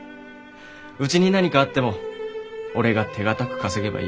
うちに何かあっても俺が手堅く稼げばいい。